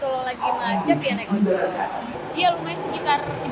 kalau lagi ngajak ya naik ojol